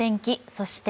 そして